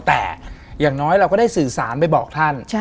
แต่อย่างน้อยเราก็ได้สื่อสารไปบอกท่าน